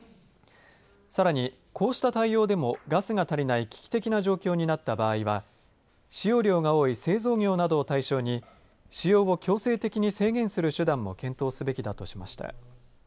さらに、こうした対応でもガスが足りない危機的な状況になった場合は使用量が多い製造業などを対象に使用を強制的に制限する手段も検討すべきだとしました。